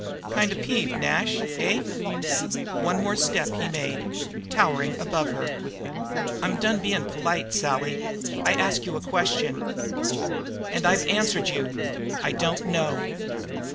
"Kind of peeved, Nash, eh?" One step more he made, towering above her. "I've done bein' polite, Sally. I've asked you a question." "And I've answered you: I don't know."